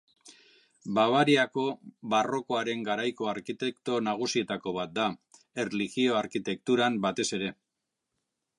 Bavariako barrokoaren garaiko arkitekto nagusietako bat da, erlijio-arkitekturan, batez ere.